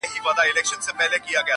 شیخ لا هم وو په خدمت کي د لوی پیر وو؛